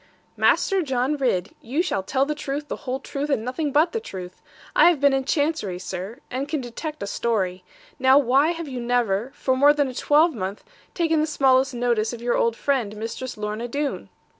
'Master John Ridd, you shall tell the truth, the whole truth, and nothing but the truth. I have been in Chancery, sir; and can detect a story. Now why have you never, for more than a twelvemonth, taken the smallest notice of your old friend, Mistress Lorna Doone?'